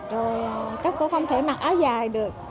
rồi các cô không thể mặc áo dài được